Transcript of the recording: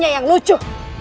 apa yang lucu